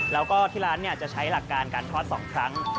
แล้วก็ที่ร้านจะใช้หลักการการทอด๒ครั้ง